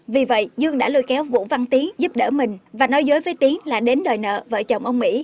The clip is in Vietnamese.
vì vậy dương đã lôi kéo vũ văn tý giúp đỡ mình và nói dối với tiến là đến đòi nợ vợ chồng ông mỹ